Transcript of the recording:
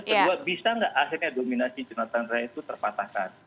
kedua bisa nggak akhirnya dominasi jonathan raya itu terpatahkan